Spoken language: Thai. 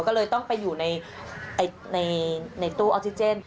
ก็เลยต้องไปอยู่ในตู้ออกซิเจน